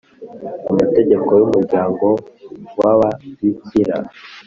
amategeko y umuryango w Ababikira